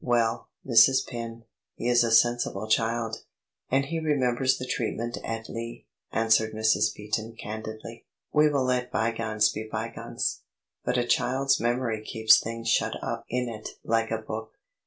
"Well, Mrs. Penn, he is a sensible child, and he remembers the treatment at Lee," answered Mrs. Beaton candidly. "We will let bygones be bygones; but a child's memory keeps things shut up in it like a book.